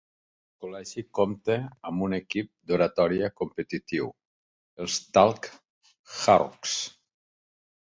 El col·legi compta amb un equip d'oratòria competitiu, els Talk Hawks.